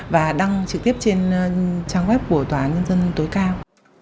và đăng trực tiếp trên trang web của tòa án nhân dân tối cao